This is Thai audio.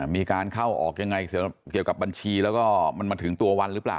มีการเข้าออกยังไงเกี่ยวกับบัญชีแล้วก็มันมาถึงตัววันหรือเปล่า